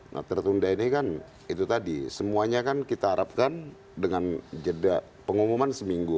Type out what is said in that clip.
nah tertunda ini kan itu tadi semuanya kan kita harapkan dengan jeda pengumuman seminggu